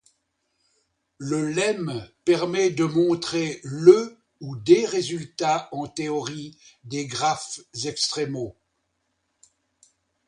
Le lemme permet de montrer le et des résultats en théorie des graphes extrémaux.